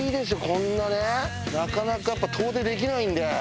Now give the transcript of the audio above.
こんなねなかなかやっぱ遠出できないんで。